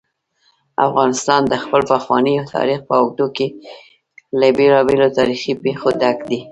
افغانستان د خپل پخواني تاریخ په اوږدو کې له بېلابېلو تاریخي پېښو ډک دی.